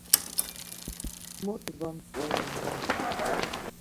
Mot va ntsorum, ya.